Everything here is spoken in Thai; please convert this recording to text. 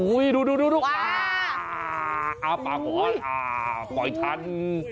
อุ๊ยดูอาปากว้นปล่อยทัน